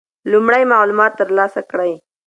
لومړی معلومات ترلاسه کړئ.